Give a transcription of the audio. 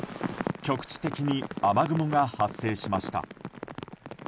局地的に雨雲が発生しました。